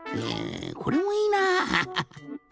これもいいなぁ。